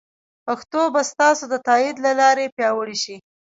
پښتو به ستاسو د تایید له لارې پیاوړې شي.